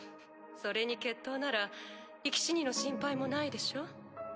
それに決闘なら生き死にの心配もないでしょ？